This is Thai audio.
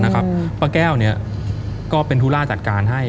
ป้าแก้วก็เป็นธุระจัดการให้